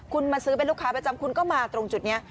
คุณมาซื้อเป็นลูกค้าประจำคุณก็มาตรงจุดนี้